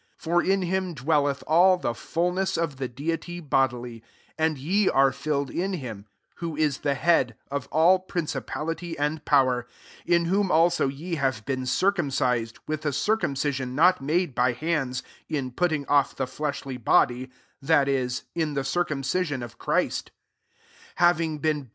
9 For in him dwelleth all the fulness of the deity* bodily: 10 and ye are filled in him, who is the head, of fill principality and power : 1 1 in whom also ye have been circumcised, with a circumcision not made by hands, in putting off the fleshly body, that 18, in the circumci sion of Christ; 12 having been buried with.